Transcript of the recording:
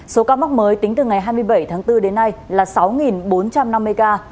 số ca mắc mới tính từ ngày hai mươi bảy tháng bốn đến nay là sáu bốn trăm năm mươi ca